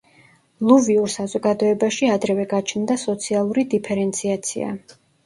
ლუვიურ საზოგადოებაში ადრევე გაჩნდა სოციალური დიფერენციაცია.